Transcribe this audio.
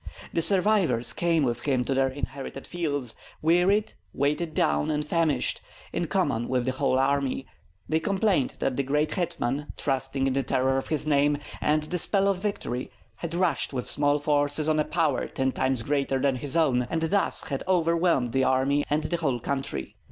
The survivors came with him to their inherited fields, wearied, weighed down, and famished; in common with the whole army, they complained that the grand hetman, trusting in the terror of his name and the spell of victory, had rushed with small forces on a power ten times greater than his own, and thus had overwhelmed the army and the whole country.